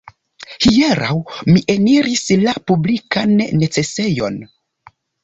Hieraŭ mi eniris la publikan necesejon.